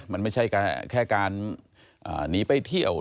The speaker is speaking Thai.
มันไม่ใช่แค่การหนีไปเที่ยว